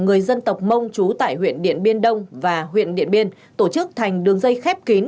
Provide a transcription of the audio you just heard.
người dân tộc mông trú tại huyện điện biên đông và huyện điện biên tổ chức thành đường dây khép kín